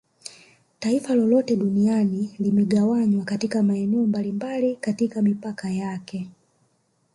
Taifa lolote duniani limegawanywa katika maeneo mbalimbali katika mipaka yake